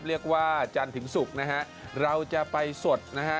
จันทร์ถึงศุกร์นะฮะเราจะไปสดนะฮะ